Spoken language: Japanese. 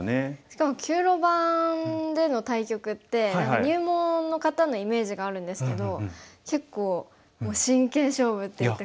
しかも９路盤での対局って入門の方のイメージがあるんですけど結構真剣勝負っていった感じで。